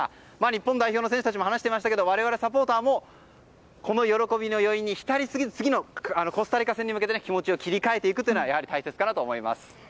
日本代表の選手たちも話していましたけど我々サポーターもこの喜びの余韻に浸りすぎず次のコスタリカ戦に向けて気持ちを切り替えていくことが大切かなと思います。